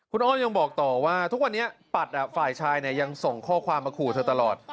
คุณอ้อมยังบอกต่อว่าทุกวันนี้ปัดฝ่ายชายยังส่งข้อความมาขู่เธอตลอด